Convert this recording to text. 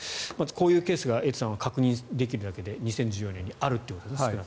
こういうケースがエイトさんは確認できるだけで２０１４年にあるということですね。